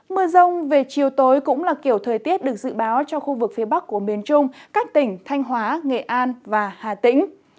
mưa rông về chiều tối cũng là kiểu thời tiết được dự báo cho khu vực phía bắc của miền trung các tỉnh thanh hóa nghệ an và hà tĩnh